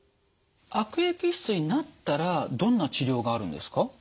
悪液質になったらどんな治療があるんですか？